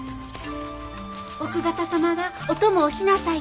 奥方様がお供をしなさいて。